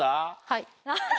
はい。